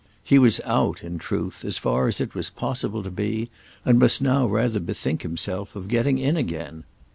He was out, in truth, as far as it was possible to be, and must now rather bethink himself of getting in again.